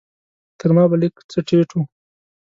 تر ما به لږ څه ټيټ و.